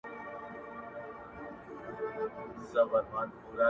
لار يې بنده د هغې کړه; مرگ يې وکرئ هر لور ته;